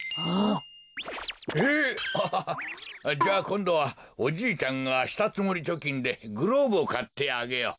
じゃあこんどはおじいちゃんがしたつもりちょきんでグローブをかってあげよう。